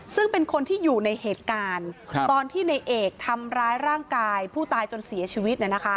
ซึ่งเป็นคนที่อยู่ในเหตุการณ์ตอนที่ในเอกทำร้ายร่างกายผู้ตายจนเสียชีวิต